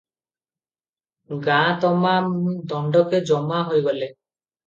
ଗାଁ ତମାମ୍ ଦଣ୍ଡକେ ଜମା ହୋଇଗଲେ ।